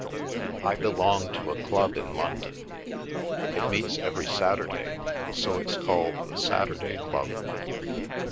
"I belong to a club in London. It meets every Saturday, so it's called the Saturday Club.